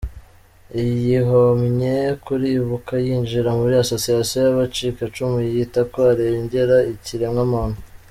Yihomye kuri Ibuka, yinjira muri association y’abacikacumu yiyita ko arengera ikiremwa muntu.